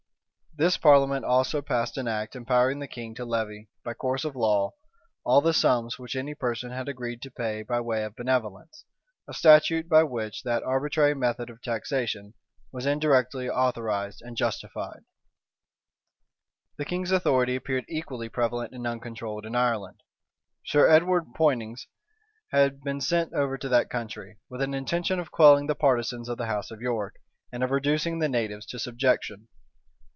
This parliament also passed an act, empowering the king to levy, by course of law, all the sums which any person had agreed to pay by way of benevolence; a statute by which that arbitrary method of taxation was indirectly authorized and justified. The king's authority appeared equally prevalent and uncontrolled in Ireland. Sir Edward Poynings had been sent over to that country, with an intention of quelling the partisans of the house of York, and of reducing the natives to subjection.